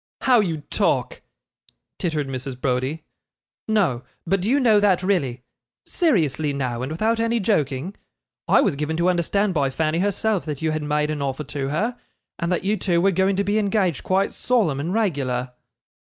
'How you talk!' tittered Mrs. Browdie. 'No, but do you know that really seriously now and without any joking I was given to understand by Fanny herself, that you had made an offer to her, and that you two were going to be engaged quite solemn and regular.